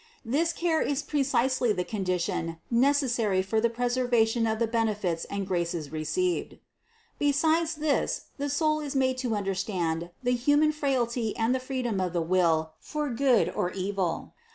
This care is precisely the condition necessary for the preser vation of the benefits and graces received. 323. Besides this the soul is made to understand the human frailty and the freedom of the will for good or evil.